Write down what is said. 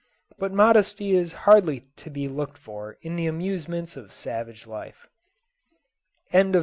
But modesty is hardly to be looked for in the amusements of savage life. CHAPTER XV.